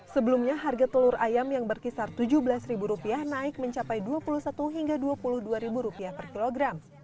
sebelumnya harga telur ayam yang berkisar rp tujuh belas naik mencapai rp dua puluh satu hingga rp dua puluh dua per kilogram